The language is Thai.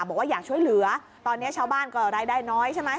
บอกว่าอยากช่วยเหลือตอนนี้ชาวบ้านก็รายได้น้อยใช่ไหม